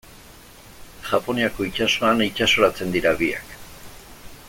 Japoniako itsasoan itsasoratzen dira biak.